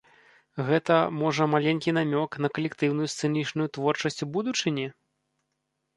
Гэта, можа, маленькі намёк на калектыўную сцэнічную творчасць у будучыні?